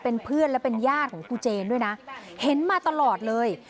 เป็นเพื่อนและเป็นญาติของครูเจนด้วยนะเห็นมาตลอดเลย